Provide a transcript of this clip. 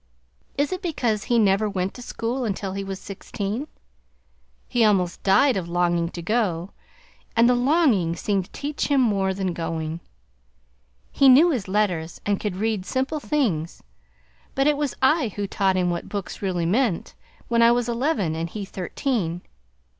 Is it because he never went to school until he was sixteen? He almost died of longing to go, and the longing seemed to teach him more than going. He knew his letters, and could read simple things, but it was I who taught him what books really meant when I was eleven and he thirteen.